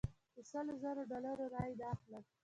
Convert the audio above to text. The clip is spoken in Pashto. په سلو زرو ډالرو رایې نه اخلم.